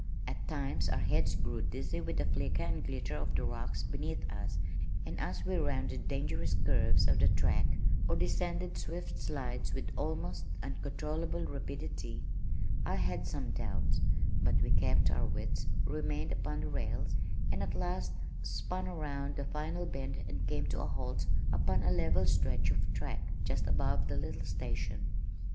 At times our heads grew dizzy with the flicker and glitter of the rocks beneath us and as we rounded dangerous curves of the track, or descended swift slides with almost uncontrollable rapidity, I had some doubts, but we kept our wits, remained upon the rails, and at last spun round the final bend and came to a halt upon a level stretch of track, just above the little station.